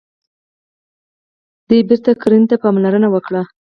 دوی بیرته کرنې ته پاملرنه وکړه.